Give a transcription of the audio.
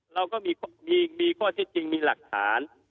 เราก็มีข้อเท็จจริงมีหลักฐาน